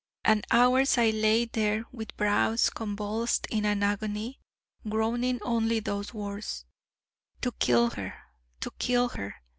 And hours I lay there with brows convulsed in an agony, groaning only those words: 'To kill her! to kill her!'